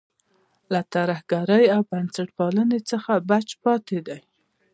له ترهګرۍ او بنسټپالۍ څخه بچ پاتې دی.